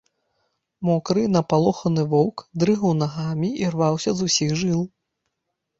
Мокры і напалоханы воўк дрыгаў нагамі і рваўся з усіх жыл.